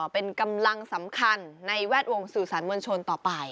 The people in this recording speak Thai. เป็นกำลังสำคัญในแวดวงสื่อสารมวลชนต่อไป